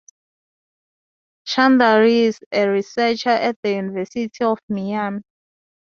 Chandari is a researcher at the University of Miami.